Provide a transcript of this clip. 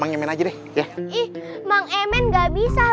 beliga pengganti docoh hair